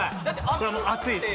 これはもうアツイです・